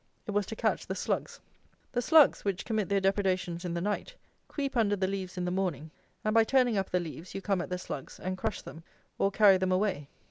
It was to catch the slugs. The slugs, which commit their depredations in the night, creep under the leaves in the morning, and by turning up the leaves you come at the slugs, and crush them, or carry them away.